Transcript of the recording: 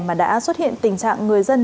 mà đã xuất hiện tình trạng người dân